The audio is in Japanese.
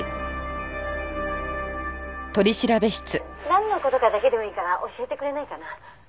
「なんの事かだけでもいいから教えてくれないかな？」